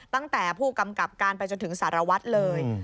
ตั้งแต่ผู้กำกับการไปจนถึงสารวัตรเลย